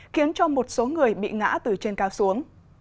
khiến cho một số người bị ngã từ trên cao xuống